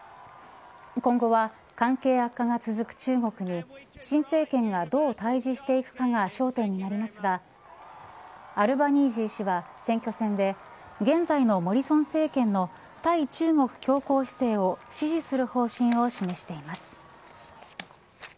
今後は関係悪化が続く中国に新政権が、どう対峙していくかが焦点となりますがアルバニージー氏は選挙戦で現在のモリソン政権の対中国強硬姿勢を支持する方針を示しています。